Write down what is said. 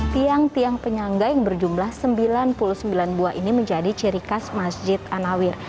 tiang tiang penyangga yang berjumlah sembilan puluh sembilan buah ini menjadi ciri khas masjid anawir